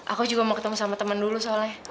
aku juga mau ketemu sama teman dulu soalnya